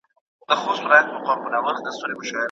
اپیوم بیا خپور شو.